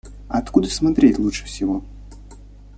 Откуда смотреть лучше всего?